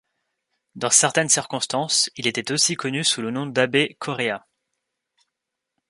Dans certaines circonstances, il était aussi connu sous le nom d'abbé Correa.